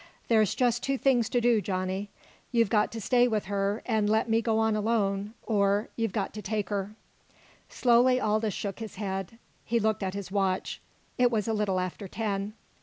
There's just two things to do, Johnny. You've got to stay with her an' let me go on alone or you've got to take her." Slowly Aldous shook his head. He looked at his watch. It was a little after ten.